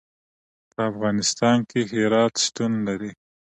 په افغانستان کې هرات شتون لري.